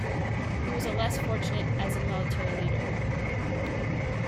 He was less fortunate as a military leader.